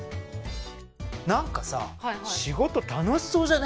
何かさ仕事楽しそうじゃね？